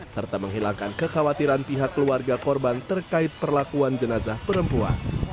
serta menghilangkan kekhawatiran pihak keluarga korban terkait perlakuan jenazah perempuan